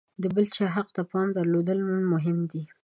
د بل حق ته پام درلودل مهم دي.